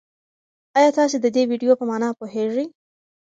ایا تاسي د دې ویډیو په مانا پوهېږئ؟